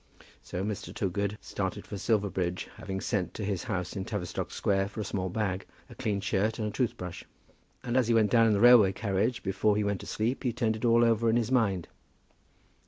So Mr. Toogood started for Silverbridge, having sent to his house in Tavistock Square for a small bag, a clean shirt, and a toothbrush. And as he went down in the railway carriage, before he went to sleep, he turned it all over in his mind.